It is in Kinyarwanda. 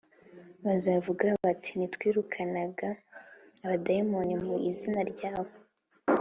Bazavuga bati”ntitwirukanaga abadayimoni mu izina ryawe “